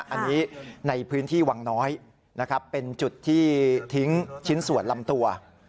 อันนี้ในพื้นที่วังน้อยนะครับเป็นจุดที่ทิ้งชิ้นส่วนลำตัว